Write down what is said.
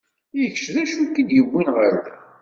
I kečč d acu i k-id-yewwin ɣer da?